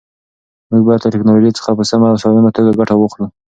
موږ باید له ټیکنالوژۍ څخه په سمه او سالمه توګه ګټه واخلو.